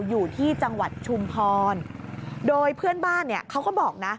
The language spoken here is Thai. อยู่ที่จังหวัดชุมพรโดยเพื่อนบ้านเนี่ยเขาก็บอกนะ